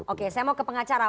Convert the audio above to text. oke saya mau ke pengacara